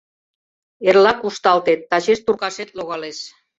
— Эрла кушталтет, тачеш туркашет логалеш.